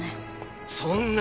そんな！